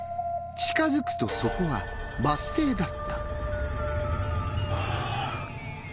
近づくとそこはバス停だった。